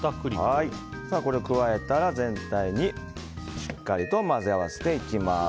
これを加えたら全体にしっかりと混ぜ合わせていきます。